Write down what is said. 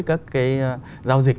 các cái giao dịch